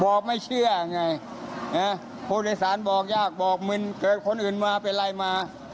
บอกไม่เชื่อไงผู้โดยสารบอกยากบอกมึนเกิดคนอื่นมาเป็นไรมา